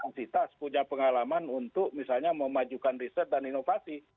kapasitas punya pengalaman untuk misalnya memajukan riset dan inovasi